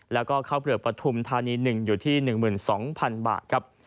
แล้วก็ข้าวเปลือกปฐุมธานี๑อยู่ที่๑๒๐๐๐บาทครับ